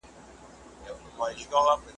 ما هیڅکله تاته زړه نه وو درکړی `